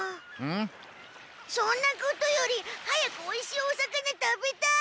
そんなことより早くおいしいお魚食べたい！